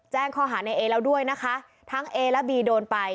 แจ้งข้อหาในเอแล้วด้วยนะคะทั้งเอและบีโดนไป